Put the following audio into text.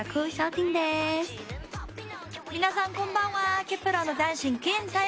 皆さんこんばんは。